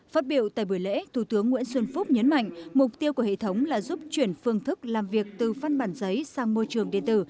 phát biểu tại buổi lễ thủ tướng nguyễn xuân phúc nhấn mạnh mục tiêu của hệ thống là giúp chuyển phương thức làm việc từ phân bản giấy sang môi trường điện tử